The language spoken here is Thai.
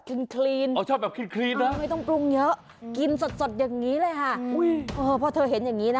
เออรสชาติเป็นยังไง